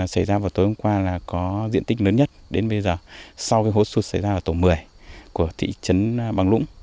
xảy ra vào tối hôm qua là có diện tích lớn nhất đến bây giờ sau hố sụt xảy ra ở tổ một mươi của thị trấn bằng lũng